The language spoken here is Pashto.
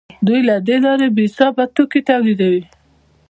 دوی له دې لارې بې حسابه توکي تولیدوي